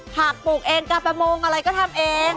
ผักปลูกเองกาประมงอะไรก็ทำเอง